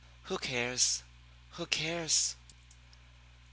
Who cares who cares?